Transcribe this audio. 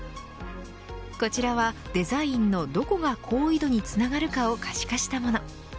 こちらはデザインのどこが好意度につながるかを可視化したもの。